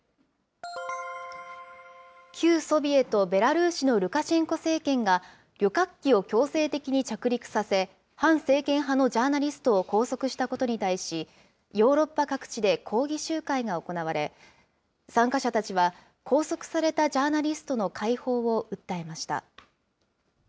旧ソビエト・ベラルーシのルカシェンコ政権が旅客機を強制的に着陸させ、反政権派のジャーナリストを拘束したことに対し、ヨーロッパ各地で抗議集会が行われ、参加者たちは、拘束されたジャーナリストの解放を訴えました。